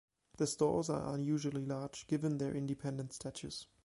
The stores are unusually large given their independent status.